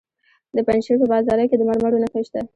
د پنجشیر په بازارک کې د مرمرو نښې شته.